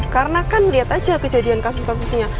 karena kan lihat aja kejadian kasus kasus ini